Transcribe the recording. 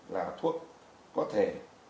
là thuốc có thể